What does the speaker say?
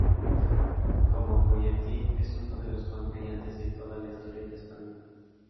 Como folletín, es uno de los más brillantes de toda la Historieta española.